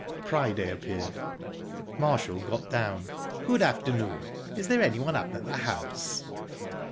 Priday appeared. Marshall got down..."Good afternoon! Is there anyone up at the house?"